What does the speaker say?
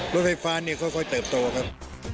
รถไฟฟ้าเนี่ยค่อยเติบโตครับ